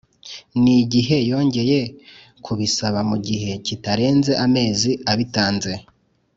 ni igihe yongeye kubisaba mu gihe kitarenze amezi abitanze